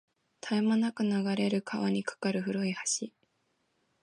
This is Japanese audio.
絶え間なく流れる川に架かる古い橋